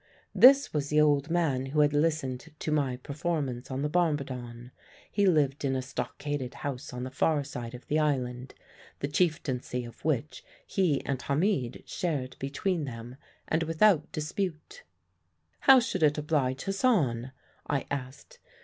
This was the old man who had listened to my performance on the bombardon. He lived in a stockaded house on the far side of the island, the chieftancy of which he and Hamid shared between them and without dispute. "'How should it oblige Hassan?' I asked.